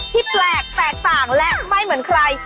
ที่แปลกแตกต่างและไม่เหมือนใคร